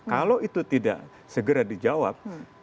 kalau itu tidak segera dijawab